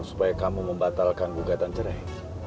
supaya kamu membatalkan gugatan cerai